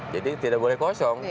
jadi tidak boleh kosong